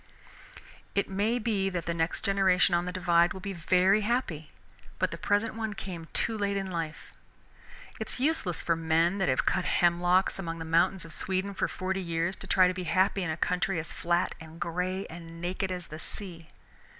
It may be that the next generation on the Divide will be very happy, but the present one came too late in life. It is useless for men that have cut hemlocks among the mountains of Sweden for forty years to try to be happy in a country as flat and gray and naked as the sea.